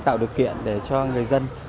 tạo được kiện để cho người dân